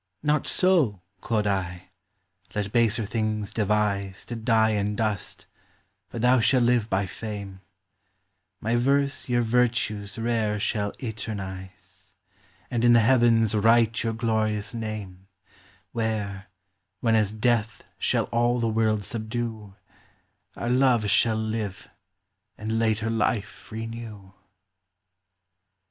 Not so, quod I ; let baser things devize To dy in dust, but thou shall live by fame : My verse your vertues rare shall eternize, And in the heavens wryte your glorious name, Where, when as death shall all the world subdew, Our love shall live, and later life renew.